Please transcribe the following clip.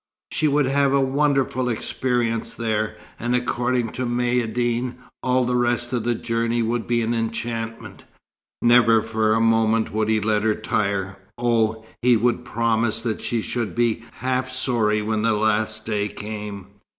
She would have a wonderful experience there; and according to Maïeddine, all the rest of the journey would be an enchantment. Never for a moment would he let her tire. Oh, he would promise that she should be half sorry when the last day came!